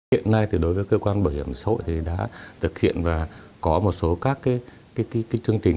hiện nay thì đối với cơ quan bảo hiểm xã hội thì đã thực hiện và có một số các chương trình